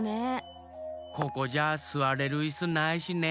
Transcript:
ここじゃすわれるいすないしね。